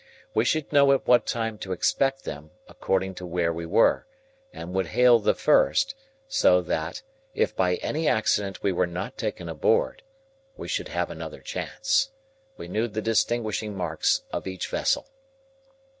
We should know at what time to expect them, according to where we were, and would hail the first; so that, if by any accident we were not taken abroad, we should have another chance. We knew the distinguishing marks of each vessel.